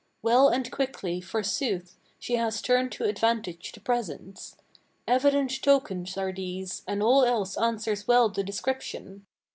Well and quickly, forsooth, she has turned to advantage the presents. Evident tokens are these, and all else answers well the description.